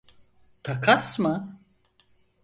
Takas mı?